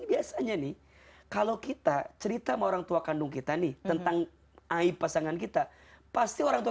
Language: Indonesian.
biasanya nih kalau kita cerita orangtua kandung kita nih tentang ai pasangan kita pasti orangtua